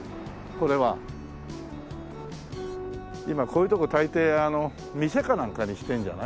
今こういう所大抵店かなんかにしてんじゃない？